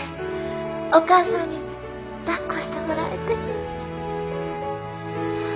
お母さんにだっこしてもらえて。